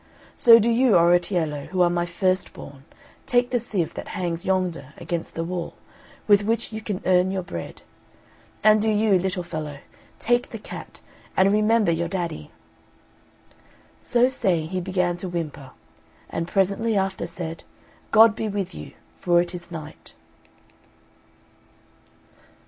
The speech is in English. So do you, Oratiello, who are my first born, take the sieve that hangs yonder against the wall, with which you can earn your bread; and do you, little fellow, take the cat and remember your daddy!" So saying, he began to whimper; and presently after said, "God be with you for it is night!"